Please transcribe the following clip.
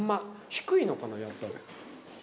低いのかな、やっぱり。